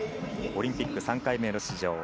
オリンピック３回目の出場。